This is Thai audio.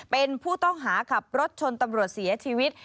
เป็นผู้ต้องหาขับรถชนตำรวจเสียชีวิต